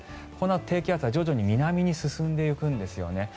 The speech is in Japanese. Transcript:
このあと低気圧は徐々に南に進んでいくんですね。